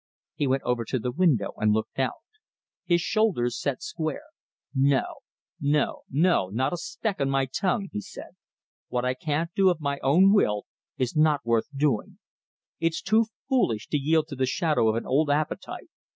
He went over to the window and looked out. His shoulders set square. "No, no, no, not a speck on my tongue!" he said. "What I can't do of my own will is not worth doing. It's too foolish, to yield to the shadow of an old appetite.